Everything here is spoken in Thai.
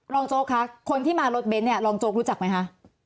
ลองโจ๊กคะคนที่มารถเบนท์ลองโจ๊กรู้จักไหมคะ